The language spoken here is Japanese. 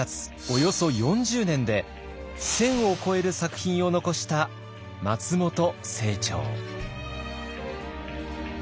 およそ４０年で１，０００を超える作品を残した松本清張。